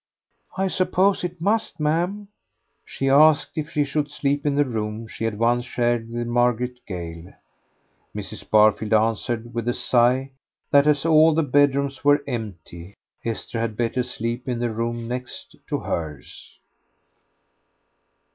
"I suppose it must, ma'am." She asked if she should sleep in the room she had once shared with Margaret Gale. Mrs. Barfield answered with a sigh that as all the bedrooms were empty Esther had better sleep in the room next to hers.